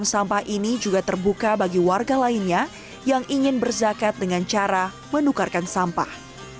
sampah ini juga terbuka bagi warga lainnya yang ingin berzakat dengan cara menukarkan sampah